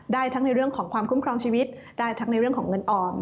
ได้ทั้งในเรื่องของความคุ้มครองชีวิตได้ทั้งในเรื่องของเงินออม